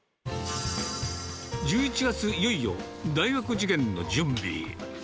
１１月、いよいよ大学受験の準備。